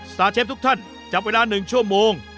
สตาร์เชฟทุกท่านจับเวลา๑ชั่วโมง